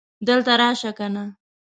دلته راشه کنه